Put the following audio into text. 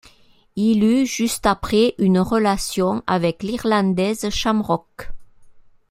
Il eut juste après une relation avec l'irlandaise Shamrock.